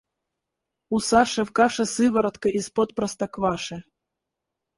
У Саши в каше Сыворотка из-под простокваши.